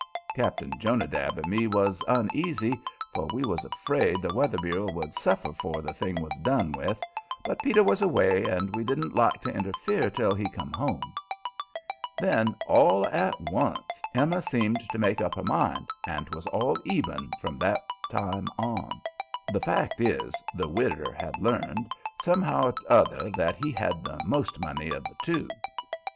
Cap'n Jonadab and me was uneasy, for we was afraid the Weather Bureau would suffer 'fore the thing was done with; but Peter was away, and we didn't like to interfere till he come home. And then, all at once, Emma seemed to make up her mind, and 'twas all Eben from that time on. The fact is, the widder had learned, somehow or 'nother, that he had the most money of the two.